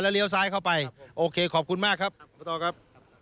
เลี้ยวซ้ายเข้าไปโอเคขอบคุณมากครับคุณต่อครับ